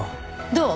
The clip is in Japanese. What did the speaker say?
どう？